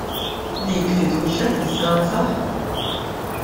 Dik fiduċja fiż-żgħażagħ!